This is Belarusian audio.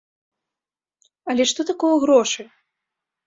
Але што такое грошы?